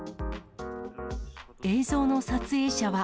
映像の撮影者は。